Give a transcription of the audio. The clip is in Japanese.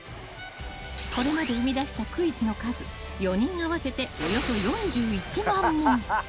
これまで生み出したクイズの数４人合わせておよそ４１万問。